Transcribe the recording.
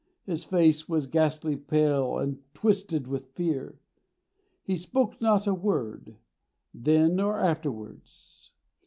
His face was ghastly pale and twisted with fear. He spoke not a word, then or afterwards.